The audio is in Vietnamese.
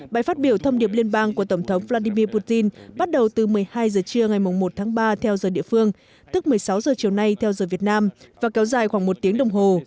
bài phát biểu thông điệp liên bang của tổng thống vladimir putin bắt đầu từ một mươi hai h trưa ngày một tháng ba theo giờ địa phương tức một mươi sáu h chiều nay theo giờ việt nam và kéo dài khoảng một tiếng đồng hồ